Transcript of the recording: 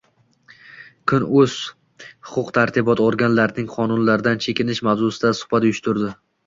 Kun.uz huquq-tartibot organlarining qonunlardan chekinishi mavzusida suhbat uyushtirdi.